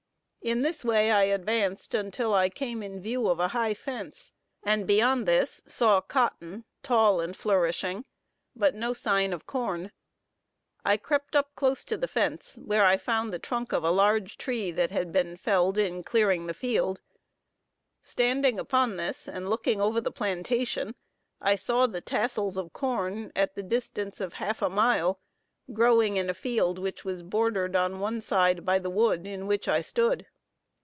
In this way I advanced until I came in view of a high fence, and beyond this saw cotton, tall and flourishing, but no sign of corn. I crept up close to the fence, where I found the trunk of a large tree, that had been felled in clearing the field. Standing upon this, and looking over the plantation, I saw the tassels of corn, at the distance of half a mile, growing in a field which was bordered on one side by the wood, in which I stood.